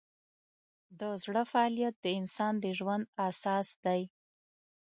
د زړه فعالیت د انسان د ژوند اساس دی.